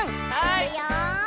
いくよ。